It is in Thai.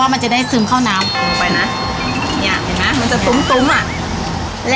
ถ้าอย่างงั้นเดือนหนูของเนี้ยไปรอทานทุกนอกน่ะแม่น่ะค่ะ